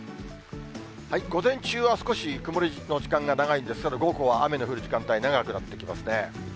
午前中は少し曇りの時間が長いんですけれども、午後は雨の降る時間帯、長くなってきますね。